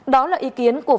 đó là ý kiến của